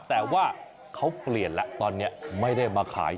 แต่ว่าเขาเปลี่ยนแล้วตอนนี้ไม่ได้มาขาย